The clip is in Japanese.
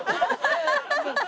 ハハハハ！